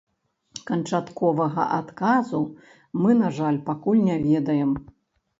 Канчатковага адказу мы, на жаль, пакуль не ведаем.